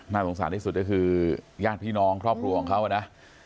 สงสารที่สุดก็คือญาติพี่น้องครอบครัวของเขานะ